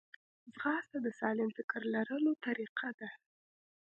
ځغاسته د سالم فکر لرلو طریقه ده